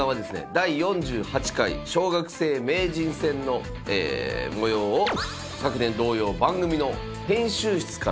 第４８回小学生名人戦の模様を昨年同様番組の編集室からお届けしていきたいと思います。